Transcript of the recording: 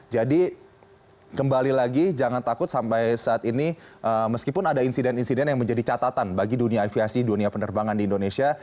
jadi kembali lagi jangan takut sampai saat ini meskipun ada insiden insiden yang menjadi catatan bagi dunia aviasi dunia penerbangan di indonesia